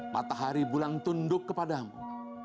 matahari bulan tunduk kepadamu